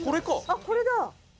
「あっこれだ」